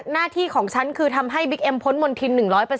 หน้าที่ของฉันคือทำให้บิ๊กเอ็มพ้นมณฑิน๑๐๐